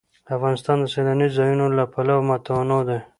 افغانستان د سیلانی ځایونه له پلوه متنوع دی.